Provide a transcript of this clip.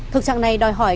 thực trạng này đòi hỏi